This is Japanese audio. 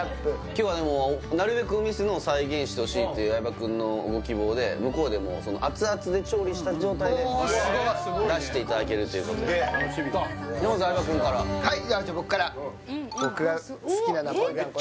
今日はでもなるべくお店のを再現してほしいという相葉くんのご希望で向こうで熱々で調理した状態でおすごい出していただけるということでまず相葉くんからはいじゃあ僕から僕が好きなナポリタン